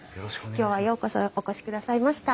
今日はようこそお越しくださいました。